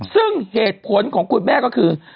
ซึ่งเหตุผลของคุณแม่ก็คือ